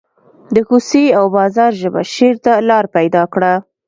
د کوڅې او بازار ژبه شعر ته لار پیدا کړه